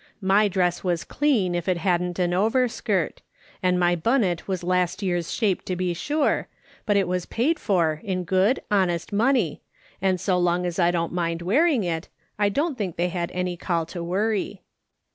My dress wag clean if it hadn't an overskirt ; and my bunnit was last year's shape to be sure, but it was paid for, in good, honest money, and so long as I don't mind wearing it, I didn't think they had any call to worry.